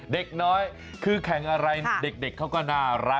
เด็กน้อยคือแข่งอะไรเด็กเขาก็น่ารัก